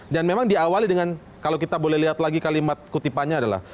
dan memang diawali dengan kalau kita boleh lihat lagi kalimat kutipannya adalah